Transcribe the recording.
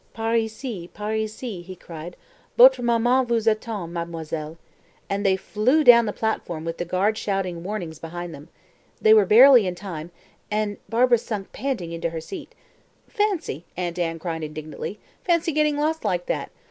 "Par ici, par ici," he cried, "votre maman vous attend, mademoiselle," and they flew down the platform with the guard shouting warnings behind them. They were barely in time, and Barbara sank panting into her seat. "Fancy!" Aunt Anne cried indignantly "fancy getting lost like that!